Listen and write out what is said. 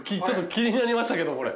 ちょっと気になりましたけど。